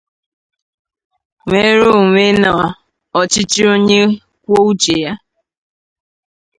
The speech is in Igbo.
nnwere onwe na ọchịchị onye kwuo uche ya.